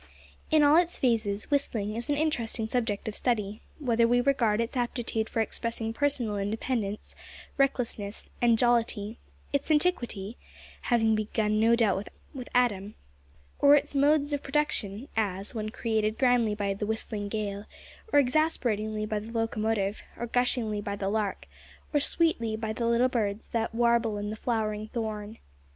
In all its phases, whistling is an interesting subject of study; whether we regard its aptitude for expressing personal independence, recklessness, and jollity; its antiquity having begun no doubt with Adam or its modes of production; as, when created grandly by the whistling gale, or exasperatingly by the locomotive, or gushingly by the lark, or sweetly by the little birds that "warble in the flowering thorn."